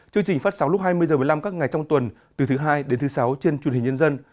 chương trình phát sóng lúc hai mươi h một mươi năm các ngày trong tuần từ thứ hai đến thứ sáu trên truyền hình nhân dân